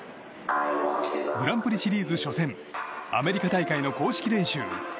グランプリシリーズ初戦アメリカ大会の公式練習。